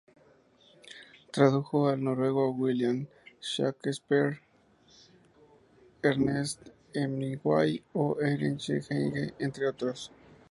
Tradujo al noruego a William Shakespeare, Ernest Hemingway, o Heinrich Heine, entre otros.